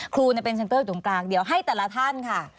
ครูเป็นเซ็นเตอร์ตรงกลางเดี๋ยวให้แต่ละท่านค่ะ